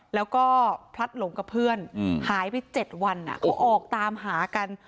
แล้วก็พลัดหลงกับเพื่อนหายไป๗วันเขาออกตามหากัน